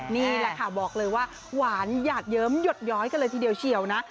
นี่แหละค่ะบอกเลยว่าหวานหยาดเยิ้มหยดย้อยกันเลยทีเดียวเชียวนะ